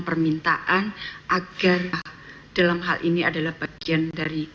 permintaan agar dalam hal ini adalah bagian dari